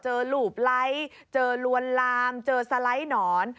หลูบไลค์เจอลวนลามเจอสไลด์หนอน